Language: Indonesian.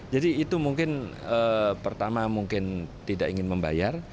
jadi itu mungkin pertama mungkin tidak ingin membayar